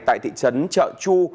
tại thị trấn chợ chu